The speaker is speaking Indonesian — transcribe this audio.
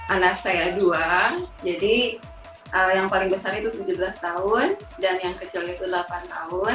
anak saya dua jadi yang paling besar itu tujuh belas tahun